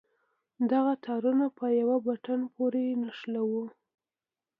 دغه تارونه په يوه بټن پورې نښلوو.